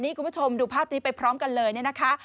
นี่คุณผู้ชมดูภาพนี้ไปพร้อมกันเลยนะคะ